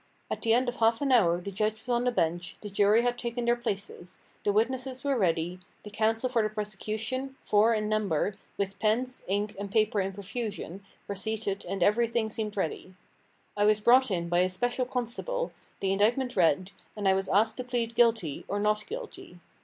At the end of half an hour the judge was on the bench, the jury had taken their places; the witnesses were ready; the counsel for the prosecution, four in number, with pens, ink, and paper in profusion, were seated and everything seemed ready. I was brought in by a special constable, the indictment read, and I was asked to plead guilty, or not guilty.